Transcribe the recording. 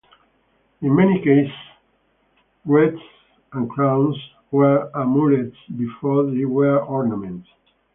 In many cases, wreaths and crowns were amulets before they were ornaments.